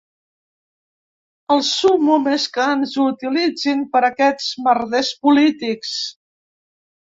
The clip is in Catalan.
El súmmum és que ens utilitzin per a aquests merders polítics.